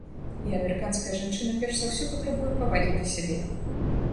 І амерыканская жанчына перш за ўсё патрабуе павагі да сябе.